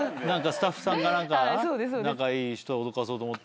スタッフさんか何か仲いい人を脅かそうと思って？